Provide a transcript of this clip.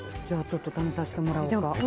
じゃあちょっと試させてもらおうか。